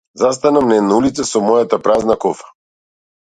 Застанав на една улица со мојата празна кофа.